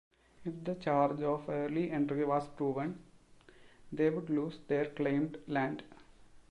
If the charge of early entry was proven, they would lose their claimed land.